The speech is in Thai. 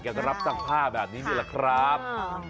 แกก็รับสังภาพแบบนี้นี่แหละครับ